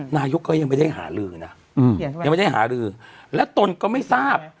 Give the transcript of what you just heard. นายกก็ยังไม่ได้หาลือนะยังไม่ได้หาลือและตนก็ไม่ทราบ